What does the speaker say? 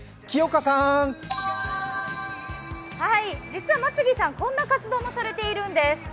実は松木さん、こんな活動もしているんです。